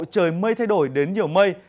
trời mây thay đổi đến nhiều mây